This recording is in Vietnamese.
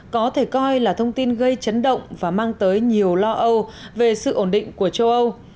có thể coi là thông tin gây chấn động và mang tới nhiều lo âu về sự ổn định của châu âu